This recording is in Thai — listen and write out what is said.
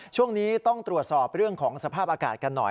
ช่วงนี้ต้องตรวจสอบเรื่องของสภาพอากาศกันหน่อย